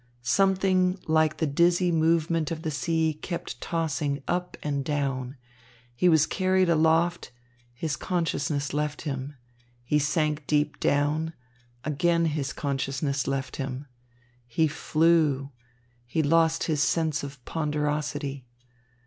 Something like the dizzy movement of the sea kept tossing up and down. He was carried aloft his consciousness left him. He sank deep down again his consciousness left him. He flew he lost his sense of ponderosity.